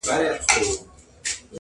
• پتنګه وایه ته څشي غواړې -